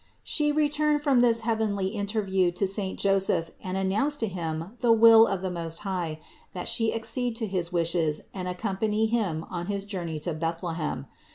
451. She returned from this heavenly interview to saint Joseph, and announced to him the will of the Most High, that She accede to his wishes and accompany him on his journey to Bethlehem.